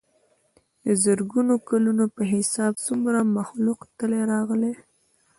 دَ زرګونو کلونو پۀ حساب څومره مخلوق تلي راغلي